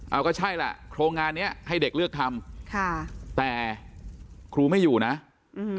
เอาก็ใช่แหละโครงงานเนี้ยให้เด็กเลือกทำค่ะแต่ครูไม่อยู่นะอืม